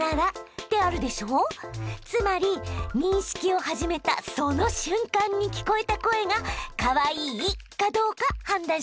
つまり認識を始めたその瞬間に聞こえた声が「可愛い」かどうか判断してるの。